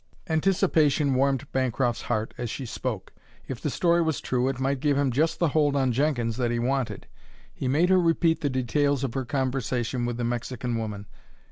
Anticipation warmed Bancroft's heart as she spoke. If the story was true it might give him just the hold on Jenkins that he wanted. He made her repeat the details of her conversation with the Mexican woman.